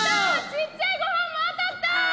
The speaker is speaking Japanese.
ちっちゃいごはんも当たった！